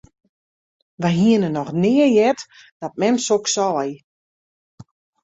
Wy hiene noch nea heard dat mem soks sei.